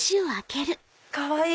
かわいい！